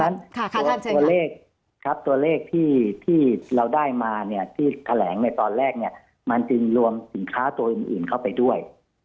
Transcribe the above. ส่วนตัวเลขครับตัวเลขที่เราได้มาเนี่ยที่แถลงในตอนแรกเนี่ยมันจึงรวมสินค้าตัวอื่นเข้าไปด้วย